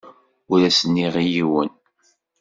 Ur as-nniɣ i yiwen.